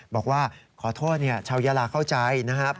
บอกว่าขอโทษชาวยาลาเข้าใจนะครับ